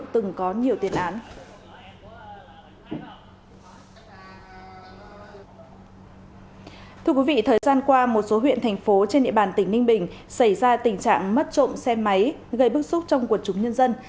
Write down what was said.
thưa quý vị thời gian qua một số huyện thành phố trên địa bàn tỉnh ninh bình xảy ra tình trạng mất trộm xe máy gây bức xúc trong quần chúng nhân dân